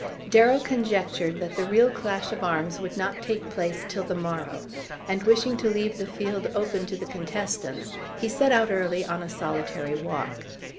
Darrow conjectured that the real clash of arms would not take place till the morrow; and wishing to leave the field open to the contestants he set out early on a solitary walk.